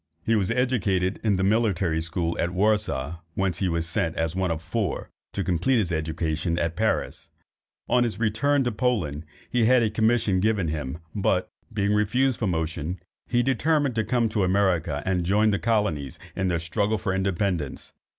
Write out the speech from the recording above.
He was educated in the military school at Warsaw, whence he was sent, as one of four, to complete his education at Paris. On his return to Poland, he had a commission given him, but, being refused promotion, he determined to come to America, and join the colonies in their struggle for independence.